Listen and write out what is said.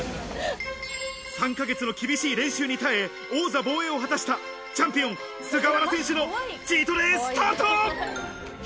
３ヶ月の厳しい練習に耐え、王座防衛を果たしたチャンピオン・菅原選手のチードデイスタート！